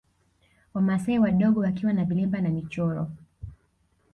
Wamasai wadogo wakiwa na vilemba na michoro